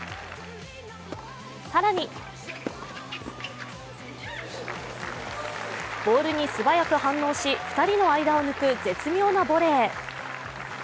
更にボールに素早く反応し２人の間を抜く絶妙なボレー。